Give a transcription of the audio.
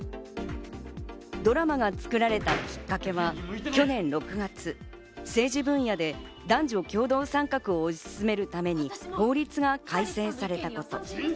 ドラマが作られたきっかけは去年６月、政治分野で男女共同参画を推し進めるために法律が改正されたこと。